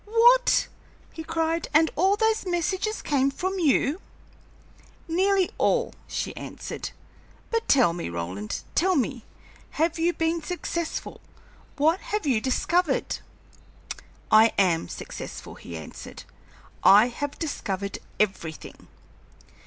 "What!" he cried. "And all those messages came from you?" "Nearly all," she answered. "But tell me, Roland tell me; have you been successful? What have you discovered?" "I am successful," he answered. "I have discovered everything!"